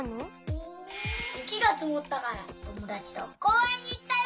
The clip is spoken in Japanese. ゆきがつもったからともだちとこうえんにいったよ。